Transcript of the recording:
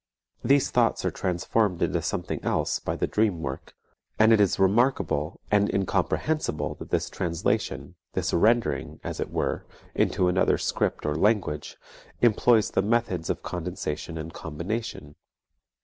These thoughts are transformed into something else by the dream work, and it is remarkable and incomprehensible that this translation, this rendering, as it were, into another script or language, employs the methods of condensation and combination.